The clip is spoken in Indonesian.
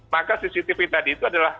maka cctv tadi itu adalah